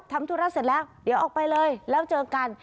ทำธุระเสร็จแล้วเดี๋ยวออกไปเลยแล้วเจอกัน